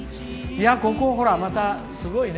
ここ、またすごいね。